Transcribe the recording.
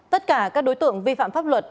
tất cả các đối tượng vi phạm pháp luật